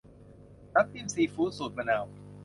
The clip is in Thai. น้ำจิ้มซีฟู้ด สูตรมะนาว